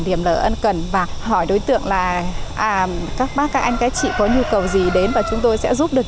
điểm lỡ ân cần và hỏi đối tượng là các bác các anh các chị có nhu cầu gì đến và chúng tôi sẽ giúp được